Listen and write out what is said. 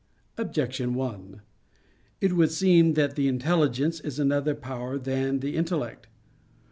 Objection 1: It would seem that the intelligence is another power than the intellect.